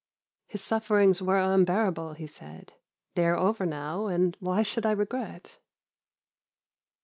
"'His sufferings were unbearable,' he said; 'they are over now, and why should I regret?